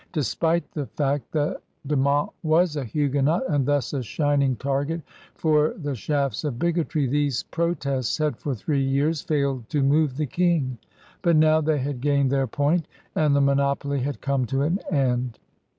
Despite the fact THE FOUNDING OF NEW FRANCE 89 that De Monts was a Huguenot and thus a shining target for the shafts of bigotry, these protests had for three years failed to move the King; but now they had gained their point, and the monopoly had come to an end.